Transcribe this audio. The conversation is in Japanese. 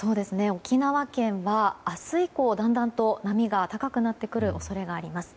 沖縄県は明日以降だんだんと波が高くなってくる恐れがあります。